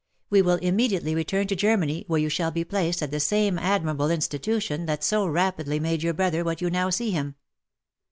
We will immediately return to Germany where you shall be placed at the same admirable institution that so rapidly made your brother what you now see him.